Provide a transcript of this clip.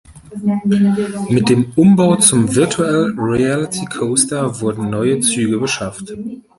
Mit dem Umbau zum Virtual Reality Coaster wurden neue Züge beschafft.